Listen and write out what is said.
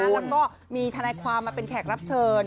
แล้วก็มีทนายความมาเป็นแขกรับเชิญ